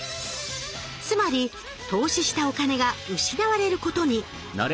つまり投資したお金が失われることに。